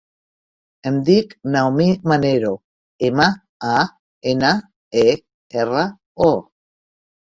Em dic Naomi Manero: ema, a, ena, e, erra, o.